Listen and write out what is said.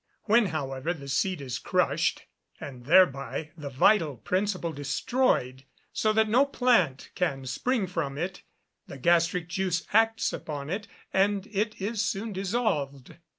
When, however, the seed is crushed, and, thereby, the vital principle destroyed, so that no plant can spring from it, the gastric juice acts upon it, and it is soon dissolved.